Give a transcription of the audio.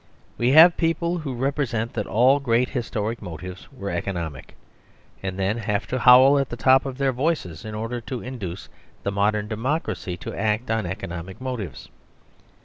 We have people who represent that all great historic motives were economic, and then have to howl at the top of their voices in order to induce the modern democracy to act on economic motives.